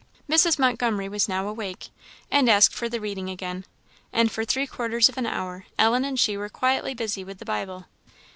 Mrs. Montgomery was now awake, and asked for the reading again; and for three quarters of an hour Ellen and she were quietly busy with the Bible.